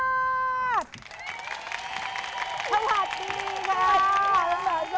สวัสดีค่ะ